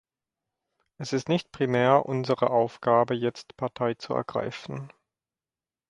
Es ist nicht primär unsere Aufgabe, jetzt Partei zu ergreifen.